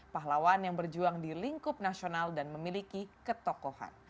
pahlawan yang berjuang di lingkup nasional dan memiliki ketokohan